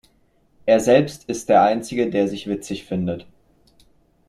Er selbst ist der Einzige, der sich witzig findet.